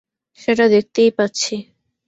সেটা দেখতেই পাচ্ছি।